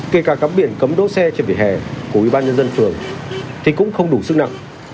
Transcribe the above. kể cả cắm biển cấm đỗ xe trên vỉa hè của ubnd phường thì cũng không đủ sức nặng